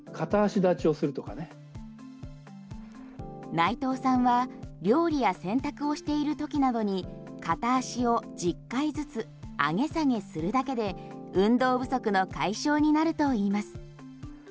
内藤さんは料理や洗濯をしているときなどに片足を１０回ずつ上げ下げするだけで運動不足の解消になるといいます。